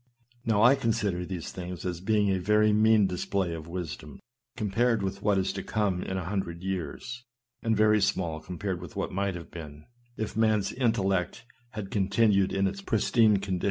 Now, I consider these things as being a very mean display of wisdom, compared with what is to come in a hundred years, and very small compared with what might have been, if man's intellect had continued in its pristine condition.